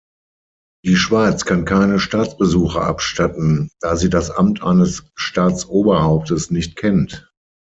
Die Schweiz kann keine Staatsbesuche abstatten, da sie das Amt eines Staatsoberhauptes nicht kennt.